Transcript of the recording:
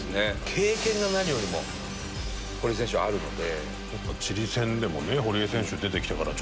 経験が何よりも堀江選手にはあるので。